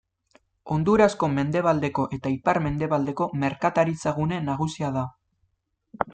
Hondurasko mendebaleko eta ipar-mendebaleko merkataritzagune nagusia da.